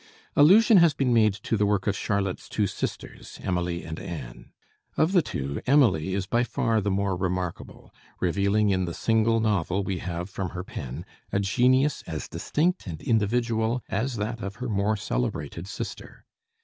Allusion has been made to the work of Charlotte's two sisters, Emily and Anne. Of the two Emily is by far the more remarkable, revealing in the single novel we have from her pen a genius as distinct and individual as that of her more celebrated sister.